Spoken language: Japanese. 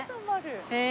へえ。